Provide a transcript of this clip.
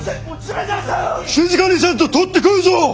静かにせんととって食うぞ！